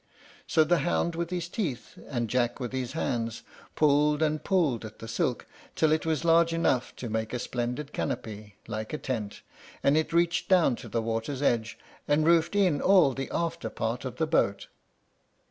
So the hound with his teeth, and Jack with his hands, pulled and pulled at the silk till it was large enough to make a splendid canopy, like a tent; and it reached down to the water's edge, and roofed in all the after part of the boat.